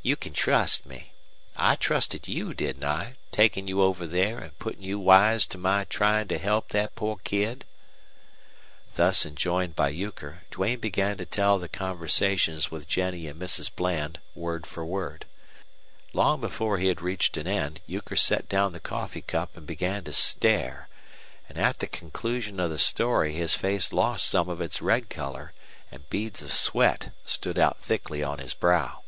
You can trust me. I trusted you, didn't I, takin' you over there an' puttin' you wise to my tryin' to help thet poor kid?" Thus enjoined by Euchre, Duane began to tell the conversations with Jennie and Mrs. Bland word for word. Long before he had reached an end Euchre set down the coffee cup and began to stare, and at the conclusion of the story his face lost some of its red color and beads of sweat stood out thickly on his brow.